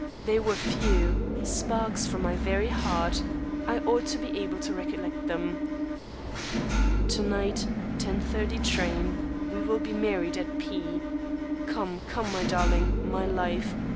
They were few sparks from my very heart I ought to be able to recollect them. "To night 10:30 train we will be married at P . Come, come, my darling, my life.